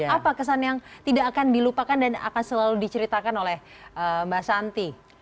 apa kesan yang tidak akan dilupakan dan akan selalu diceritakan oleh mbak santi